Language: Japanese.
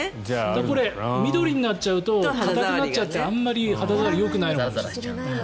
これ、緑になっちゃうと硬くなっちゃってあまり肌触りがよくないのかも。